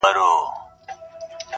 • د انسان په وينه گډ دي فسادونه -